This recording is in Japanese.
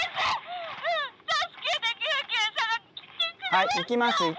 はい行きます。